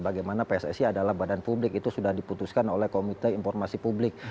bagaimana pssi adalah badan publik itu sudah diputuskan oleh komite informasi publik